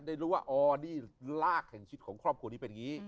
ได้รู้ว่าออดี้รากแห่งชีวิตของครอบครัวนี้เป็นอย่างนี้